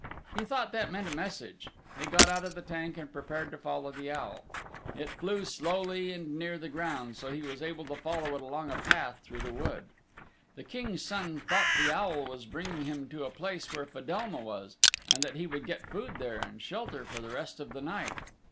He thought that meant a message. He got out of the tank and prepared to follow the owl. It flew slowly and near the ground, so he was able to follow it along a path through the wood. The King's Son thought the owl was bringing him to a place where Fedelma was, and that he would get food there, and shelter for the rest of the night.